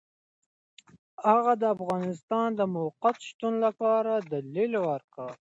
هغه د افغانستان د موقت شتون لپاره دلیل ورکړ.